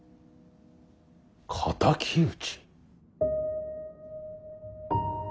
敵討ち。